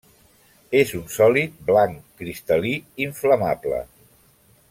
És un sòlid blanc cristal·lí inflamable.